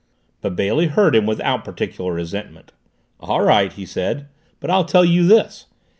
But Bailey heard him without particular resentment. "All right," he said. "But I'll tell you this.